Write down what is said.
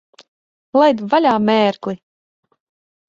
Laid vaļā, mērgli!